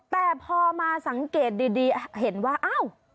แต่พอมาสังเกตดีเห็นว่าอ้าว